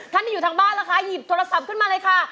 ที่อยู่ทางบ้านนะคะหยิบโทรศัพท์ขึ้นมาเลยค่ะ